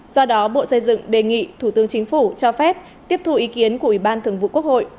do đó bộ xây dựng đề nghị thủ tướng chính phủ cho phép tiếp thu ý kiến của ủy ban thường vụ quốc hội